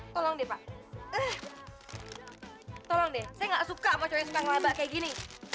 tolong deh pak tolong deh saya enggak suka mau cuman ngelabak kayak gini